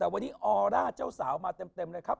แต่วันนี้ออร่าเจ้าสาวมาเต็มเลยครับ